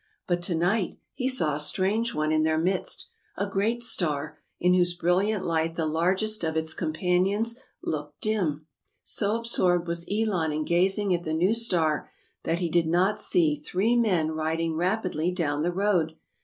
But to night he saw a strange one in their midst. 142 A STORY OF THE FIRST CHRISTMAS. a great star in whose brilliant light the largest of its companions looked dim. So absorbed was Elon in gazing at the new star, that he did not see three men riding rap idly down the road.